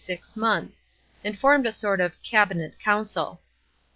CHAP, in six months, and formed a sort of " cabinet council."